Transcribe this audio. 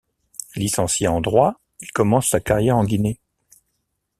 Licencié en droit, il commence sa carrière en Guinée.